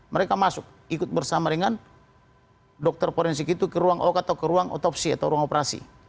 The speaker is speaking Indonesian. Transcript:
mereka masuk ikut bersama dengan dokter forensik itu ke ruang ok atau ke ruang otopsi atau ruang operasi